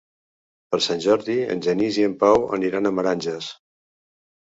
Per Sant Jordi en Genís i en Pau aniran a Meranges.